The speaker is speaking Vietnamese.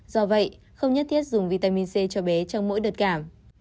do vậy không nhất thiết dùng vitamin c cho bé trong mỗi đợt cảm